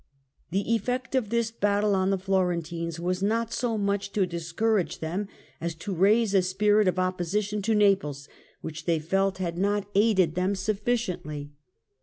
The effect of this battle on the Florentines, was not so much to discourage them, as to raise a spirit of opposition to Naples, which they felt had not aided them sufficiently.